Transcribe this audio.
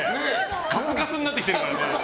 カスカスになってきてるからね。